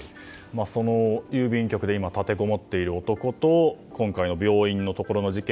その郵便局で立てこもっている男と今回の病院のところの事件